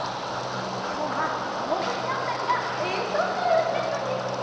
きょうはどうぶつさんたちがえんそうかいをひらくんですって！